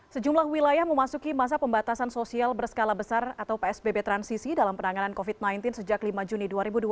sejumlah wilayah memasuki masa pembatasan sosial berskala besar atau psbb transisi dalam penanganan covid sembilan belas sejak lima juni dua ribu dua puluh